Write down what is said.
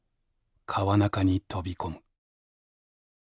河中に飛び込む。